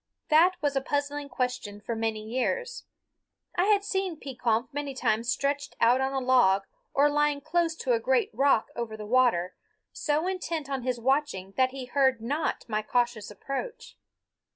That was a puzzling question for many years. I had seen Pekompf many times stretched on a log, or lying close to a great rock over the water, so intent on his watching that he heard not my cautious approach.